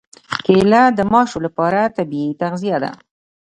کېله د ماشو لپاره طبیعي تغذیه ده.